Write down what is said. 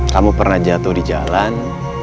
kamu pernah jatuh di jalan